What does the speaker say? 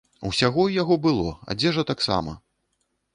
Усяго ў яго было, адзежа таксама!